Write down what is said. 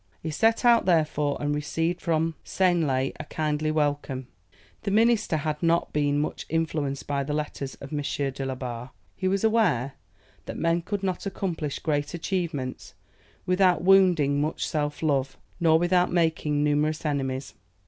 He set out, therefore, and received from Seignelay a kindly welcome. The minister had not been much influenced by the letters of M. de la Barre; he was aware that men could not accomplish great achievements without wounding much self love, nor without making numerous enemies.